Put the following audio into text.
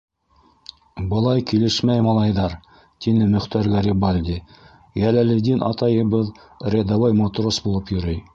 - Былай килешмәй, малайҙар, - тине Мөхтәр Гарибальди, - Йәләлетдин атайыбыҙ рядовой матрос булып йөрөй.